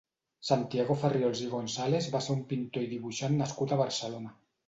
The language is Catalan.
Santiago Farriols i Gonzàlez va ser un pintor i dibuixant nascut a Barcelona.